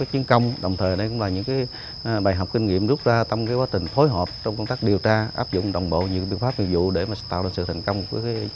chương trình hành trình phạm đến đây là kết thúc